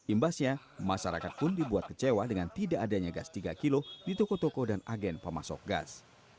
imbasnya masyarakat pun dibuat kecewa dengan tidak adanya gas tiga kg di toko toko dan agen pemasok gas